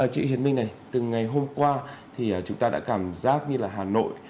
chị hiền minh này từ ngày hôm qua thì chúng ta đã cảm giác như là hà nội